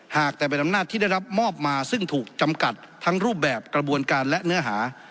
หากแต่เป็นอำนาจที่ได้รับมอบมาซึ่งถูกจำกัดทั้งรูปแบบกระบวนการและเนื้อหา